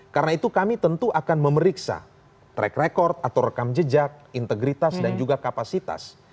karena itu kami tentu akan memeriksa track record atau rekam jejak integritas dan juga kapasitas